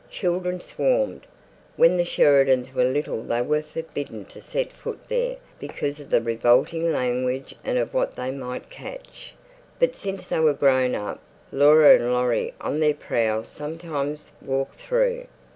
Children swarmed. When the Sheridans were little they were forbidden to set foot there because of the revolting language and of what they might catch. But since they were grown up, Laura and Laurie on their prowls sometimes walked through.